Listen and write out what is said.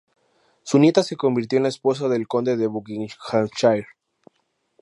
Su nieta se convirtió en la esposa del Conde de Buckinghamshire.